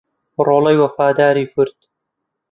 ڕۆڵەی وەفاداری کورد